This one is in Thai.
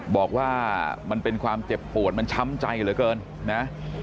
บอกว่ามันเป็นความเจ็บปวดมันช้ำใจเหลือเกินนะ